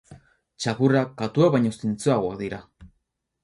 txakurrak katuak baino zintzoagoak dira